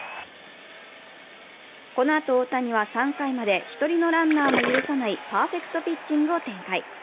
このあと大谷は、３回まで１人のランナーも許さないパーフェクトピッチングを展開。